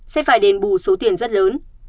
sẽ phải đền bù số tiền rất lớn